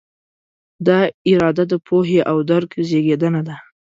دا اراده د پوهې او درک زېږنده ده.